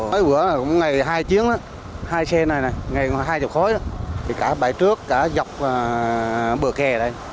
cái bữa ngày hai chiếc hai xe này ngày hai mươi khối cả bãi trước cả dọc bờ kè đây